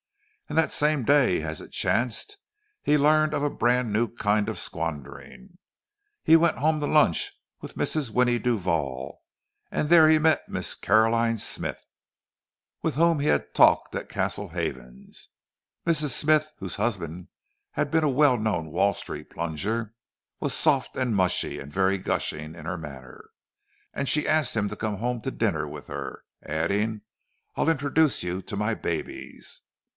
And that same day, as it chanced, he learned of a brand new kind of squandering. He went home to lunch with Mrs. Winnie Duval, and there met Mrs. Caroline Smythe, with whom he had talked at Castle Havens. Mrs. Smythe, whose husband had been a well known Wall Street plunger, was soft and mushy, and very gushing in manner; and she asked him to come home to dinner with her, adding, "I'll introduce you to my babies."